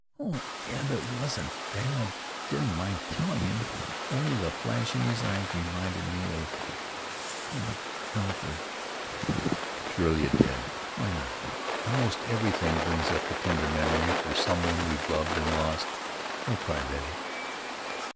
"Oh, Eb, it wasn't that. I didn't mind telling him. Only the flash in his eyes reminded me of of Alfred." "Surely it did. Why not? Almost everything brings up a tender memory for some one we've loved and lost. But don't cry, Betty."